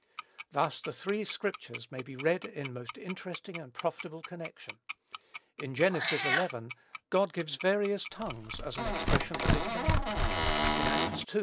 Thus the three scriptures may be read in most interesting and profitable connection. In Gen. xi. God gives various tongues as an expression of his judgment; in Acts ii.